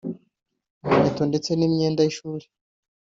inkweto ndetse n’imyenda y’ishuri